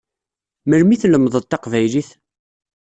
Memli i tlemdeḍ taqbaylit?